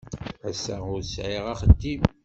Ass-a ur sɛiɣ axeddim.